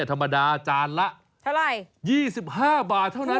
ธรรมดาจานละ๒๕บาทเท่านั้น